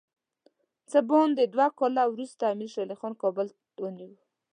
څه باندې دوه کاله وروسته امیر شېر علي خان کابل ونیوی.